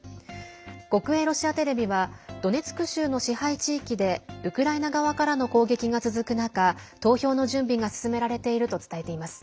国営ロシアテレビはドネツク州の支配地域でウクライナ側からの攻撃が続く中投票の準備が進められていると伝えています。